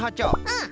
うん。